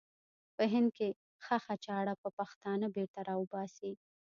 په هند کې ښخه چاړه به پښتانه بېرته را وباسي.